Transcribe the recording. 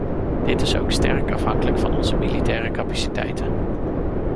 Dit is ook sterk afhankelijk van onze militaire capaciteiten.